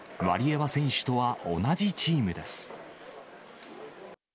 ワリエワ選手とは同じチームです。